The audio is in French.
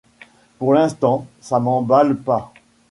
Pour l’instant ça m’emballe pas.